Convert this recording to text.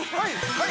はい！